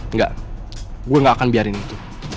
enggak gue gak akan biarin itu